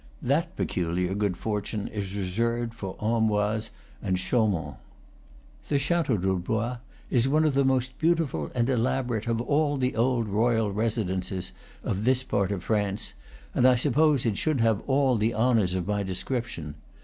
That peculiar good fortune is reserved for Amboise and Chaurnont. The Chateau de Blois is one of the most beautiful and elaborate of all the old royal residences of this part of France, and I suppose it should have all the honors of my description.